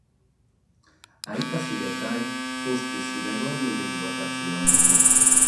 A ite si ghetare pustis su degollu de sas votatziones?